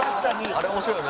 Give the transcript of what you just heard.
あれ面白いな。